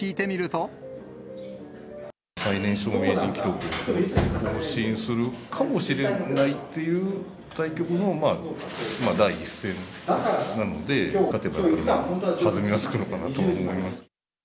最年少名人記録、更新するかもしれないという対局の第１戦なので、勝てば弾みがつくのかなと思います。